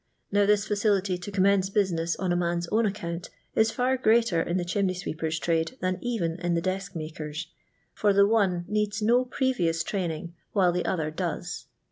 j Now this facility to commence business on a mau* I own account is far greater in the chimney sweeper* I trade than even in the desk iimkors,' for the uB'' I needs no previous ti aining, while the other does.